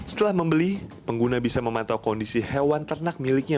setelah membeli pengguna bisa memantau kondisi hewan ternak miliknya